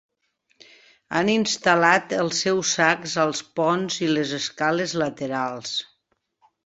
Han instal·lat els seus sacs als ponts i les escales laterals.